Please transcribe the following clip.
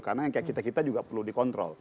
karena yang kayak kita kita juga perlu dikontrol